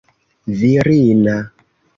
virina